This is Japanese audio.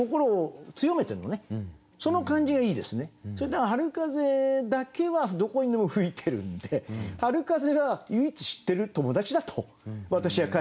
だから春風だけはどこにでも吹いてるんで春風は唯一知ってる友達だと私は解釈しました。